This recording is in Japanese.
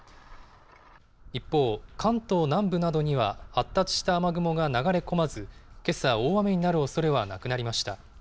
一方、関東南部などには発達した雨雲が流れ込まず、けさ、大雨になるおそれはなくなりました。